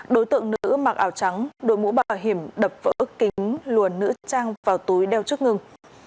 đối tượng nữ mặc ảo trắng đôi mũ bảo hiểm đập vỡ kính luồn nữ trang vào túi đeo trước ngừng